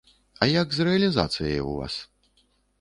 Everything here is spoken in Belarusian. А як з рэалізацыяй у вас?